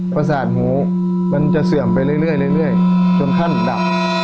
ประสาทหมูมันจะเสื่อมไปเรื่อยจนขั้นดับ